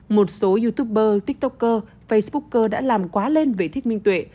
một số youtuber tiktoker facebooker đã làm quá lên về thích minh tuệ